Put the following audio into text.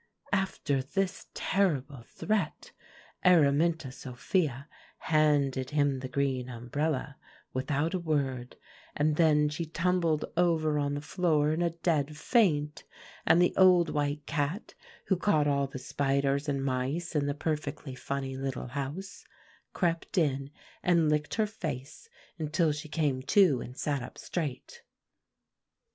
"After this terrible threat, Araminta Sophia handed him the green umbrella without a word; and then she tumbled over on the floor in a dead faint, and the old white cat, who caught all the spiders and mice in the perfectly funny little house, crept in and licked her face, until she came to and sat up straight."